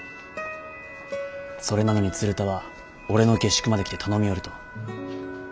それなのに鶴田は俺の下宿まで来て頼みよると。